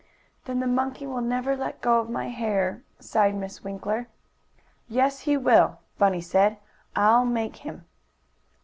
"Then the monkey will never let go of my hair," sighed Miss Winkler. "Yes, he will," Bunny said. "I'll make him."